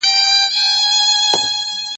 کله چې پوهنه ارزښت ولري، ټولنه نه کمزورې کېږي.